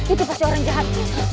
itu pasti orang jahat